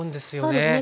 そうですね。